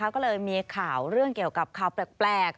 ก็เลยมีข่าวเรื่องเกี่ยวกับข่าวแปลก